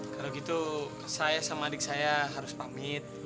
kalau gitu saya sama adik saya harus pamit